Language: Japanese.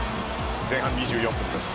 前半２４分です。